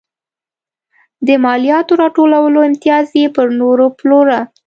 د مالیاتو راټولولو امتیاز یې پر نورو پلوره.